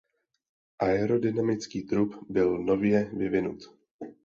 Aerodynamický trup byl nově vyvinut.